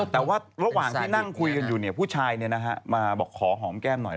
แต่ว่าระหว่างที่นั่งคุยกันอยู่ผู้ชายมาบอกขอหอมแก้มหน่อย